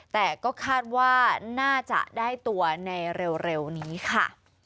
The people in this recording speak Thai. แต่ก็คาดว่าน่าจะได้ตัวในเร็วนี้ค่ะ